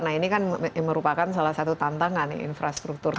nah ini kan merupakan salah satu tantangan infrastruktur